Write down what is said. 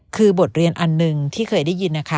คือบทเรียนอันหนึ่งที่เคยได้ยินนะคะ